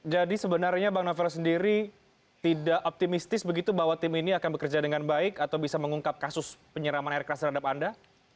jadi sebenarnya bang navelo sendiri tidak optimistis begitu bahwa tim ini akan bekerja dengan baik atau bisa mengungkap kasus penyeraman air keras terhadap anda